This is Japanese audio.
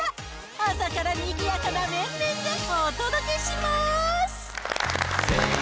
朝からにぎやかな面々でお届けします。